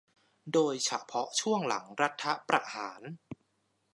โดยเฉพาะช่วงหลังรัฐประหาร